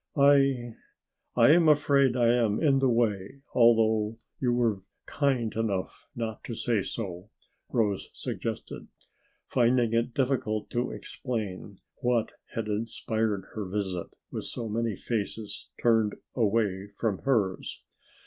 "I I am afraid I am in the way although you were kind enough not to say so," Rose suggested, finding it difficult to explain what had inspired her visit with so many faces turned away from hers.